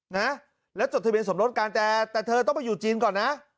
นะแล้วจดทะเบียนสมรสกันแต่แต่เธอต้องไปอยู่จีนก่อนนะ